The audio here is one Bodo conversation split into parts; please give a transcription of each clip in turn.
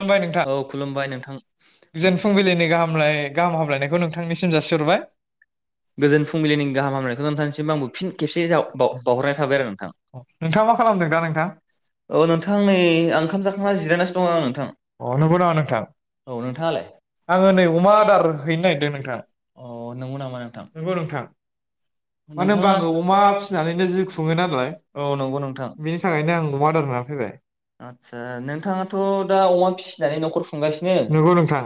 खुलुमबाय नोंथां औ खुलुमबाय गोजोन नोंथां फुंबिलिनि गाहामलाय गाहाम हामलायनायखौ नोंथांनिसिम जासिहरबाय गोजोन फुंबिलिनि गाहाम हामलायखौ नोंथांनिसिम आंबो फिन खेबसे जाव बाव बावहरनाय थाबाय आरो नोंथां नोंथाङा मा खालामदों दा नोंथां औ अ नोंथां नै आं ओंखाम जाखांना जिरायनासो दङ आं नंगौ नामा नोंथां औ नोंथाङालाय आङो नै अमा आदार हैनो नागिरदों नोंथां अ नंगौ नामा नोंथां नंगौ नोंथां मानो होनबा नोंथाङा आङो अमा फिसिनानैनो जिउ खुङो नालाय औ नंगौ नोंथां बेनि थाखायनो आं अमा आदार होना फैबाय। आदसा नोंथाङाथ' दा अमा फिसिनानै न'खर खुंगासिनो [unintelligible] नंगौ नोंथां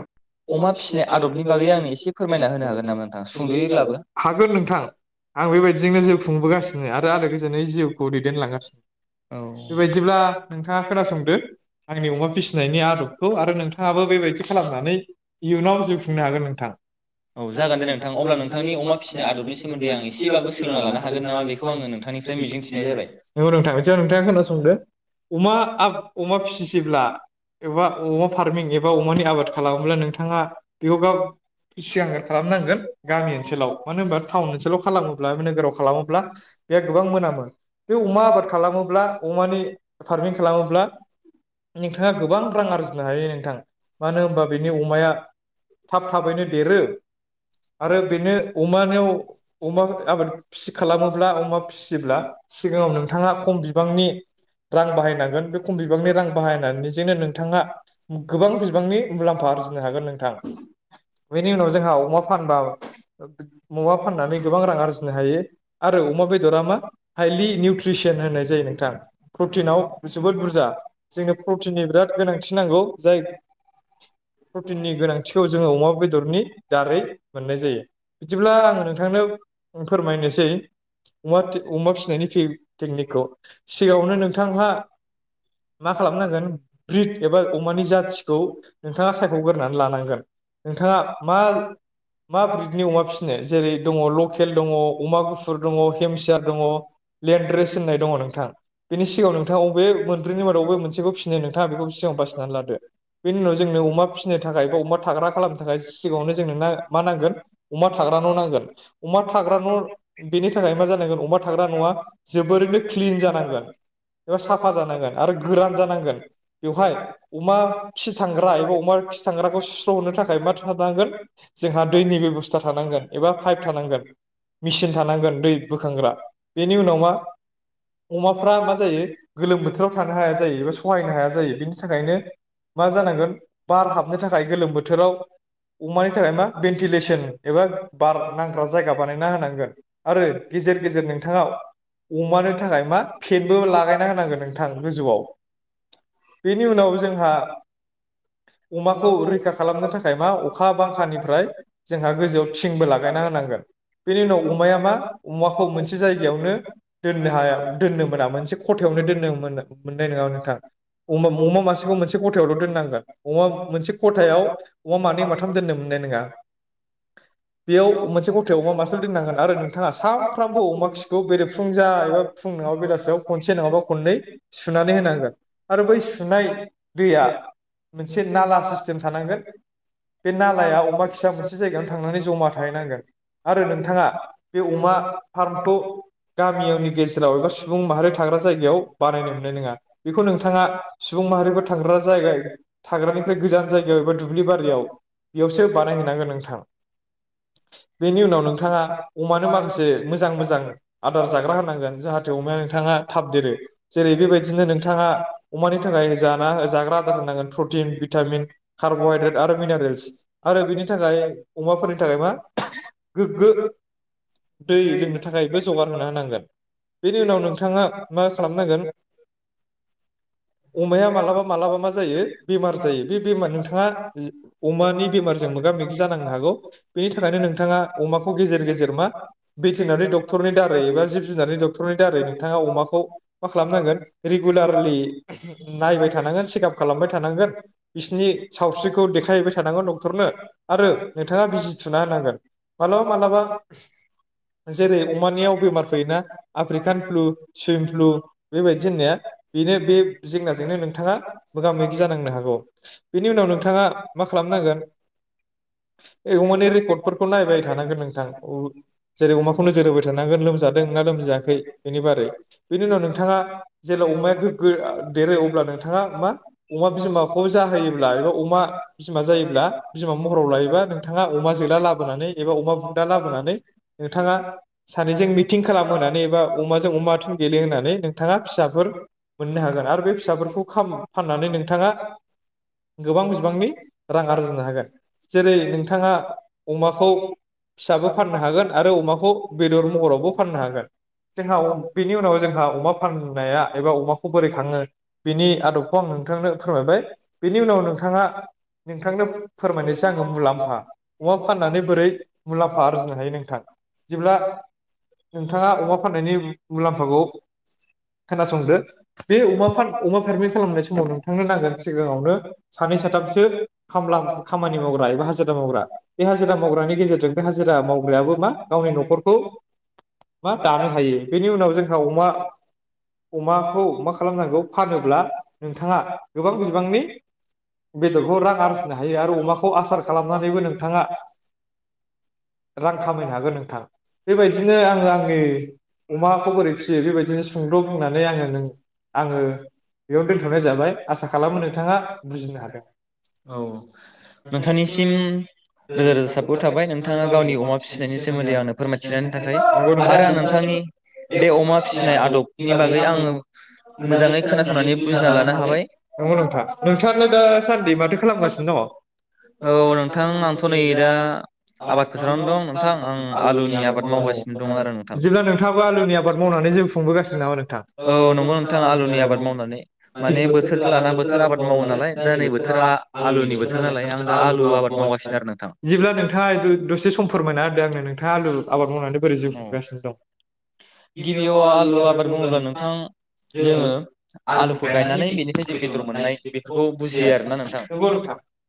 अमा फिसिनाय आदबनि बागै आंनो एसे फोरमायना होनो हागोन नामा नोंथां सुंद'यैब्लाबो [unintelligible] हागोन नोंथां आं बेबायदिजोंनो जिउ खुंबोगासिनो आरो गोजोनै जिउखौ दैदेनलांगासिनो औ बेबायदिब्ला नोंथाङा खोनासंदो आंनि अमा फिसिनायनि आदबखौ आरो नोंथाङाबो बेबायदि खालामनानै इयुनाव जिउ खुंनो हागोन नोंथां। औ जागोन दे नोंथां अब्ला नोंथांनि अमा फिसिनाय आदबनि सोमोन्दै आं एसेबाबो सोलोंना लानो हागोन नामा बेखौ आं आङो नोंथांनिफ्राय मिजिंथिनाय जाबाय नंगौ नोंथां नोंथाङा खोनासंदो अमा आ अमा फिसियोब्ला। एबा अमा फार्मिं एबा अमानि आबाद खालामोब्ला नोंथाङा बेयाव गाब सिगांग्रो खालामनांगोन गामि ओनसोलाव मानो होनोमबा थ। गामि ओनसोलावब्ला नोगोराव खालामोब्ला बे गोबां मोनामो बे अमा आबाद खालामोब्ला अमानि फार्मिंग खालामोब्ला। गोबां रां आरजिनो हायो नोंथां मानो होनबा बेनि अमाया थाब थाबैनो देरो आरो बेनो अमानियाव। अमा आबाद फि खालामोब्ला अमा फिसियोब्ला सिगाङाव नोंथाङा खम बिबांनि रां बाहायनांगोन बे खम बिबांनि रां बाहायनानै। बिजोंनो नोंथाङा गोबां बिबांनि मुलाम्फा आरजिनो हागोन नोंथां बेनि उनाव जोंहा अमा फानबा अमा फाननानै। गोबां रां आरजिनो हायो आरो अमा बेदरा मा हाइलि निउट्रिसोन होननाय जायो नोंथां प्रटिनाव जोबोद बुरजा जोंनो प्र थिननि बिराद गोनांथि नांगौ जायग प्रटिननि गोनांथिखौ जोंङो अमा बेदरनि दारै मोननाय जायो बिदिब्ला आंङो नोंथांनो। आं फोरमायनोसै [unintelligible] अमा फिसिनायनि [unintelligible] टेकनिकखौ सिगाङावनो नोंथांहा मा खालामनांगोन। ब्रिद एबा अमानि जाथिखौ नोंथाङा सायखग्रोरनानै लानांगोन नोंथाङा मा मा ब्रिदनि अमा फिसिनो जेरै दङ। खुयेल दङ अमा गुफुर दङ हेमसियार दङ लेडरेस होननाय दङ नोंथां बेनि सिगाङाव नोंथांङा अबे मोनब्रैनि मादाव बबे मोनसेखौ फिसिनो नों हा बेखौबो सिगाङाव बासिनानै लादो बेनि उनाव जोंनो अमा फिसिनो थाखाय बा अमा थाग्रा खालामनो थाखाय सिगाङावनो जोंनो नो मा नांगोन अमा थाग्रा न नांगोन। अमा थाग्रा न' बेनि थाखाय मा जानांगोन अमा थाग्रा न'आ जोबोरैनो ख्लिन जानांगोन ओ साफा जानांगोन आरो गोरान जानांगोन हाय अमा खि थांग्रा एबा अमा खि थांग्राखौ सुस्रहरनो थाखाय मा थानांगोन जोंहा दैनिबेबसथा थानांगोन एबा फाइप थानां मिचिन थानांगोन दैब बोखांग्रा बेनि उनाव मा अमाफ्रा मा जायो गोलोम बोथोराव थानो हाया जायोबा सहायनो हाया जा बिनि थाखायनो मा जानांगोन बार हाबनो थाखाय गोलोम बोथोराव अमानि थाखाय मा बेन्टिलेसन एबा बार नांग्रा बानायना होनांगोन आरो गेजेर गेजेर नोंथाङाव अमानो थाखाय मा फेनबो लागायना होनांगोन नोंथां गोजौआव। बेनि उनाव जोंहा। अमाखौ रैखा खालामनो थाखाय मा अखा बांखानिफ्राय जोंहा गोजौआव थिंबो लागायना होनांगोन बेनि उनाव अमाया मा अमाखौ मोनसे जायगायावनो दोननो हाया दोननो मोना मोनसे खथायावनो दोननो मोनो मोननाय नोंङा नोंथां। अ अमा ममा मासेखौ मोनसे गथायावल दोननांगोन। अमाम मोनसे खथायाव अमा मानै माथाम दोननो मोननाय नोङा बेयाव मोनसे खथायाव अमा मासेल दोननांगोन आरो नोंथाङा सानफ्रामबो अमा खिखौ बेरेबफुंजा एबा फुं नङाबा बेलासियाव खनसे नङाबा खननै सुनानै होनांगोन। आरो बै सुनाय दैआ। मोनसे नाला सिस्टेम थानांगोन बे नालाया अमा खिसा मोनसे जायगायावनो थांनानै जमा थाहैनांगोन आरो नोंथाङा बे अमा फार्मखौ गामियावनि गेजेराव एबा सुबुं माहारि थाग्रा जायगायाव बानायनो मोननाय नोंङा बेखौ नोंथा सुबुं माहारिफोर थांग्रा जायगाय। फ्राय गोजान जायगायाव एबा दुब्लि बारियाव बेयावसो बानायहैनांगोन नोंथां बेनि उनाव नोंथाङा अमानो माखासे मोजां मोजां आदार जाग्रा होनांगोन जाहाथे अमाया नोंथाङा थाब देरो जेरै बेबायदिनो नोंथाङा मानि थाखाय जाना हो जाग्रा आदार होनांगोन प्र भिटामिन कार्बहाइद्रेद आरो मिनारेल्स आरो बिनि थाखाय अमाफोरनि थाखाय मा गोग्गो दै लोंनो थाखायबो जगार होना होनांगोन बेनि उनाव नोंथाङा मा खालामनांगोन अमाया मालाबा मालाबा मा जायो बेमार जायो बे बेमार नोंथांङा अमानि बेमारजों मोगा मोगि जानांनो हागौ बेनि थाखायनो नोंथाङा अमाखौ गेजेर गेजेर मा भेटेनारि डक्टरनि दारै एबा जिब जुनारनि डक्टरनि दारै नोंथाङा अमाखौ मा खालामनांगोन रेगुलारलि नायबाय थानांगोन सेकाप खालामबाय थानां बिसिनि सावस्रिखौ देखायहैबाय थानांगोन डक्टरनो आरो नोंथाङा बिजि थुना होनांगोन मालाबा मालाबा जेरै अमानियाव बेमार फैयोना आफ्रिकान फ्लु सुइम फ्लु बेबायदि होननाया बेनो बेब जेंनाजोंनो नोंथाङा मोगा मोगि जाना औ बेनि उनाव नोंथाङा मा खालामनांगोन ओय अमानि रेकर्डफोरखौ नायबाय थानांगोन नोंथां औ जेरै अमाखौ नोजोर होबाय थानांगोन लोमजादों ना लोमजायाखै बेनि बारै बेनि उनाव नोंथाङा जेब्ला अमाया गोग्गो। देरो अब्ला नोंथाङा मा अ खौ जाहोयोब्ला एबा अमा बिमा जायोब्ला बिमा महराव लायोबा नोंथाङा अमा जोला लाबोनानै एबा अमा बुन्दा लाबोनानै नोंथाङा सानैजों मिथिं खालामहोनानै एबा अमाजों अमा थुन गेले होननानै नोंथाङा फिसाफोर मोननो हागोन आरो। फिसाफोरखौ खाम फाननानै नोंथां गोबां बिबांनि रां आरजिनो हागोन जेरै नोंथाङा अमाखौ फिसाबो फाननो हागोन आरो अमाखौ बेदर महरावबो फाननो हागोन जोंहा अ बेनि उनाव जोंहा अमा फाननाया एबा अमाखौ बोरै खाङो। बिनि आदबखौ आं नोंथांनो फोर बेनि उनाव नोंथाङा नोंथांनो फोरमायनोसै आङो मुलाम्फा अमा फाननानै बोरै मुलाम्फा आरजिनो हायो नोंथां जेब्ला नोंथाङा अमा फाननायनि मुलाम्फाखौ खोनासंदो बे अमा फा पारमेट खालामनाय समाव नोंथांनो। सिगाङावनो सानै साथामसो खामलाम खामानि मावग्रा एबा हाजिरा मावग्रा बे हाजिरा मावग्रानि गेजेरजों बे हाजिरा मावग्रायाबो मा गावनि नख'रखौ मा दानो हायो बेनि उनाव जोंहा अमा अमाखौ मा खालामनांगौ। फानोब्ला नोंथाङा। गोबां बिबांनि बेदरखौ रां आरजिनो हायो आरो अमाखौ आसार खालामनानैबो नोंथाङा रां खामायनो हागोन नोंथां बेबायदिनो आङो आंनि अमाखौ बोरै फिसियो बेबायदिनो सुंद' बुंनानै आङो नों आङो। बेयाव दोनथ'नाय जाबाय आस आसा खालामो नोंथाङा औ औ नोंथांनिसिम रोजा रोजा साबग थाबाय नोंथाङा गावनि अमा फिसिनायनि सोमोन्दै आंनो फोरमायथिनायनि थाखाय आरो आं नोंथांनि बे अमा फिसिनाय आदबनि बागै आङो मोजाङै। खोनासंनानै बुजिना लानो हाबाय। औ नोंथा नोंथांआलाय दा सानदि माथो खालामगासिनो दङ' औ नोंथां आंथ' नै दा आंथ' नै दा आबाद फोथारावनो दं नोंथां आं आलुनि आबाद मावगासिनो दं आरो [unintelligible] नोंथां बिदिब्ला नोंथाङाबो आलुनि आबाद मावनानै जिउ खुंबोगासिनो नामा नोंथां? नि आबाद मावनानै माने बोथो बोथोरा आबाद मावो नालाय दा नै बोथोरा आलुनि बोथोर नालाय आलुनि आबाद मावगासिनो आरो बिदिब्ला नोंथाङा द-दसे सम फोरमायना होदो आंनो नोंथाङा आलु आबाद मावनानै बोरै जिउ औ खुंगासिनो दं गिबियाव आलु आबाद मावब्ला नोंथाङा जोङो। आलुखौ गायनानै बेनि बेदर मोननाय बेफोरखौ बुजियो आरोना नोंथां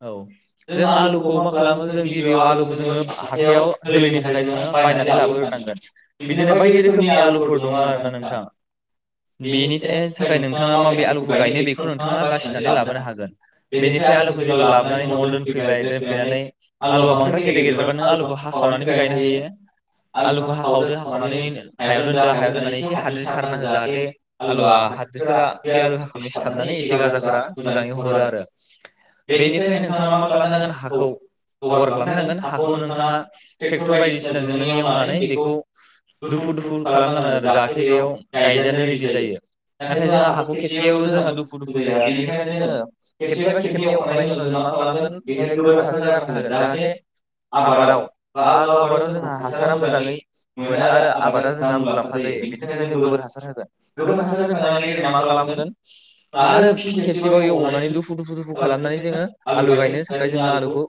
औ। जों आलुखौ मा खालामो जों गिबियाव आलुखौ जोङो हाथायाव जोलैनि थाखाय जोङो बायनानै लाबोग्रोनांगोन बिदिनो बायदि रोखोमनि आलुफोर दङो आरो ना नोंथाङा बेनि [inaudible] नोंथाङा माबे आलुखौ गायनो बेखौ। नोंथाङा बासिनानै लाबोनो हागोन बेनिफ्राय आलुखौ जेब्ला लाबोनानै नआव दोनफैबाय दोनफैनानै आलुआ बांद्राय गेदेर गेदेरबा नों आलुखौ हाखावनानैबो गायनो हायो आलुखौ हाखावदो हाखावनानै हायाव दोनदो हायाव दोननानै एसे हाद्रि सारना हो जाहाथे आलुआ हा [unintelligible] खोबनानै एसे गाजाफोरा मोजाङै हरो आरो बेनिफ्राय नोंथाङा मा खालामनांगोन हाखौ जगार खालामनांगोन हाखौ नोंथाङा ट्रेक्टर बायदिसिनाजों नों एवनानै बेखौ दुफु दुफु खालामनांगोन आरो जाहाथे बेयाव गायजानो रेडि जायो। नाथाय जोंहा हाखौ खेबसेयाव जोंहा दुफु दुफु जाया बेनिखायनो जोङो खेबसेबा खेबनै एवखानायनि उनाव जों मा खालामगोन बेहाय गोबोर हासार गारना हागोन जाहाथे आबादाव बा आलु आबादाव जोंहा हासारा मोजाङै मोनो आरो आबादा जोंहा मुलाम्फा जायो बेनि थाखाय जों गोबोर हासार होगोन गोबोर हासार हो। थांनानै जों मा खालामगोन आरो फिन खेबसेबाव एवबावनानै दुफु दुफु दुफु खालामनानै जोङो आलु गायनो थाखाय जोङो आलुखौ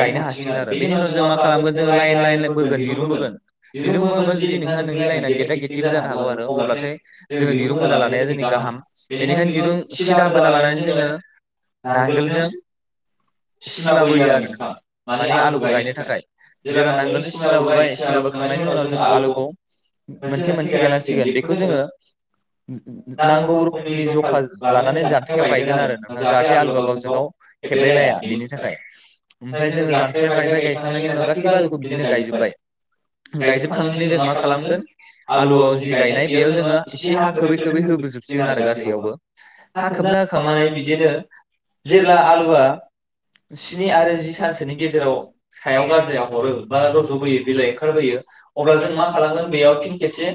गायनो हासिगोन आरो बेनि उनाव जों मा खालामगोन जोङो लाइन लाइन बोगोन दिरुं बोगोन दिरुं बोबा जुदि नोंहा नोंनि लाइना गेददा गेददिबो जानो हागौ आरो अब्लाथाय जोङो दिरुंबोना लानाया जोंनि गाहाम बेनिखायनो दिरुं सिदा बोना लानानै जोङो नांगोलजों सिमाबोयो आरो माने आलुखौ गायनो थाखाय जेब्ला नांगोलजों सिमाबोबाय सिमाबोखांनायनि उनाव जोङो आलुखौ मोनसे मोनसे गायलांसिगोन बेखौ जोङो नांगौ रो खोमनि जखा लानानै जान्थायाव गायगोन आरो नोंथां जाहाथे आलुआ गावजों गाव खेबलाय लाया बेनि थाखाय ओमफ्राय जोङो जान्थायाव गायबाय गायखांनायनि उनाव गासैबो आलुखौ बिदिनो गायजोबबाय गायजोबखांनानै जों मा खालामगोन आलुआव जि गायनाय बेयाव जोङो एसे हा खोबै खोबै होबोजोबसै सिगोन आरो गासैयावबो हा खोबना होखांनानै बिदिनो जेब्ला आलुआ स्नि आरो जि सानसोनि गेजेराव सायाव गाजाया हरो बा रजबोयो बिलाइ ओंखारबोयो अब्ला जों मा खालामगोन बेयाव फिन खेबसे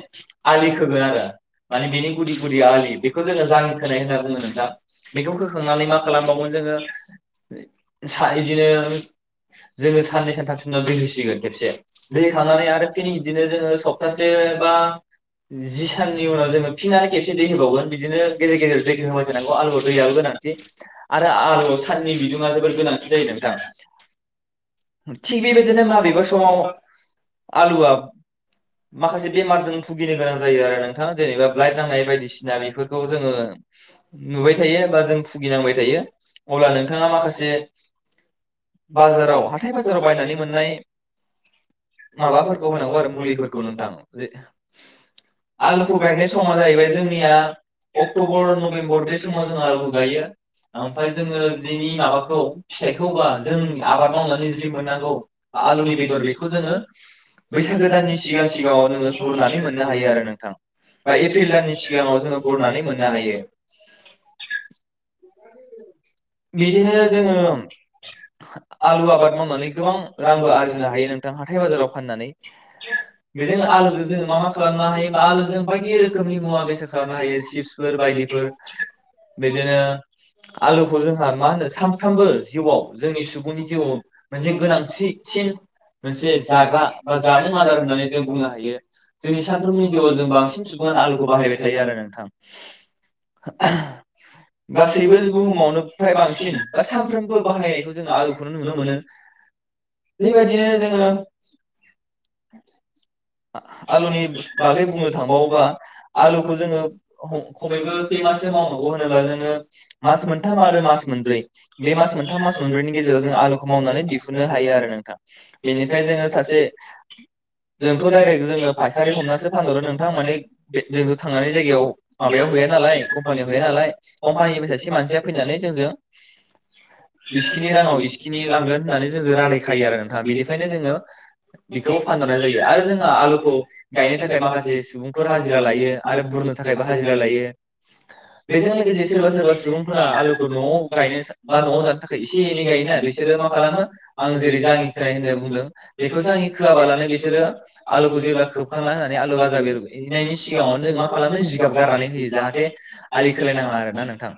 आलि खोगोन आरो। माने बिनि गुदि गुदिया आलि बेखौ जोङो जाङि खोनाय होनना बुङो नोंथां बेखौ होखांनानै मा खालामबावगोन जोङो सा जों इदिनो बिदिनो जोङो साननै सानथामसिनि उनाव दै होसिगोन खेबसे दै होखांनानै आरो फिन इदिनो जोङो सप्तासे बा जि साननि उनाव जोङो फिन आरो खेबसे दै होबावगोन। बिदिनो गेजेर गेजेर दैखौ होबाय थानांगौ आलुआव दैयाबो गोनांथि आरो आलुआव साननि बिदुङा जोबोर गोनांथि जायो नोंथां। थिग बेबायदिनो माबेबा समाव आलुआ माखासे बेमारजों भुगिनो गोनां जायो आरो नोंथां [unintelligible] खौ जोङो नुबाय थायो बा जों भुगिनांबाय थायो अब्ला नोंथाङा माखासे बाजाराव हाथाय बाजाराव बायनानै मोननाय माबाफोरखौ होनांगौ आरो मुलिफोरखौ नोंथां जे आलु खु गायनाय समा जाहैबाय जोंनिया अक्टबर नभेम्बर बे समाव जोंङो आलुखौ गायो। आमफाय जोङो बिनि माबाखौ फिथाइखौबा जों आबाद मावनानै जि मोननांगौ आलुनि बेदर बेखौ जोङो बैसागो दाननि सिगां सिगाङाव जोङो बुरनानै मोननो हायो आरो नोंथां। बा एप्रिल दाननि सिगाङाव जोङो बुरनानै मोननो हायो। बिदिनो जोङो आलु आबाद मावनानै गोबां रांबो आरजिनो हायो नोंथां हाथाय बाजाराव फाननानै बेजों आलुजों जोङो मा मा खालामनो हायो बा आलुजों बायदि रोखोमनि मुवा बेसाद खालामनो हायो चिफसफोर बायदिफोर बिदिनो आलुखौ जोंहा मा होनो सामफ्रामबो जिउआव जोंनि सुबुंनि जिउआव मोनसे गोनांसिसिन मोनसे जाग्रा बा जामुं आदार होननानै जों बुंनो हायो जोंनि सानफ्रोमबोनि जिउआव जों बांसिन सुबुङानो आलुखौ बाहायबाय थायो आरो नोंथां। [unintelligible] गासैबो बुहुमावनो फ्राय बांसिन बा सानफ्रोमबो बाहायनायखौ जोङो आलुखौनो नुनो मोनो बेबायदिनो जोङो आलुनि बागै बुंनो थांबावोबा आलुखौ जोङो खमैबो खै माससो मावनांगौ होनोब्ला जोङो मास मोनथाम आरो मास मोनब्रै बे मास मोनथाम मास मोनब्रैनि गेजेराव जों आलुखौ मावनानै दिहुननो हायो आरो नोंथां बेनिफ्राय जोङो सासे जोंथ दाइरेक फायखारि हमनासो फानहरो नोंथां माने बे जोंथ थांनानै जायगायाव माबायाव हैया नालाय कम्पानियाव हैया नालाय कम्पानिनि सासे मानसिया फैनानै जोंजों इसिखिनि बिसिनि राङाव बिसिनि इसखिनि लांगोन लाबोगोन होननानै जों जोंनो रादायखायो रायलायखायो आरो नोंथाङा नोंथां बिनिखायनो बेनिखायनो जोङो बेखौ फानहरनाय जायो आरो जोंङो आलु गायनो थाखाय माखासे सुबुंफोर हाजिरा लायो आरो बुरनो था बा हाजिरा लायो बेजों लोगोसे सोरबा सोरबा सुबुंफोरा आलुखौ नआव गायनाय बा नआव जानो थाखाय एसे एनै गायोना बेसोरो मा खालामो आं जेरै जांङि खोनाय होनना बुंदों बेखौ जांङि खोआबालानो बेसोरो आलुखौ जे सिगाङावनो जों मा खालामो [unintelligible] जिगाब गारनानै होयो जाहाथे आलि खोलायनाङा आरो ना नोंथां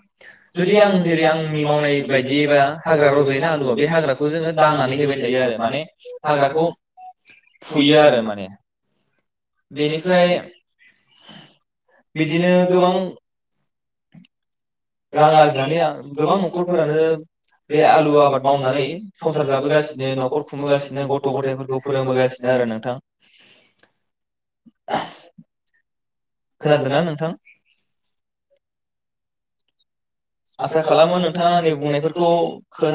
जुदि आं जेरै आंनि मावनाय बायदिबा हाग्रा रजयोना आलुआव बे हाग्राखौ जोङो दांनानै होबाय थायो आरो माने हाग्राखौ फुयो आरो माने बेनिफ्राय बिदिनो गोबां रां आरजिनानै आ गोबां नखरफोरानो बे आलु आबाद मावनानै संसार जाबोगासिनो नखर खुंबोगासिनो गथ गथायफोरखौ फोरोंबोगासिनो आरो नोंथां। खोनादों खोनादोंना ना नोंथां? आसा खालामो नोंथाङा आंनि बुंनायफोरखौ खोना